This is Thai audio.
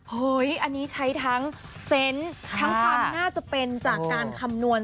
อันนี้ใช้ทั้งเซนต์ทั้งความน่าจะเป็นจากการคำนวณ